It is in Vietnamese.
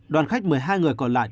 đoàn khách một mươi hai người còn lại